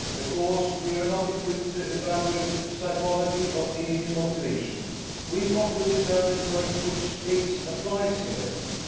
"Because we're not equipped to evaluate the psychology of alien motivation. We've got to determine first which case applies here."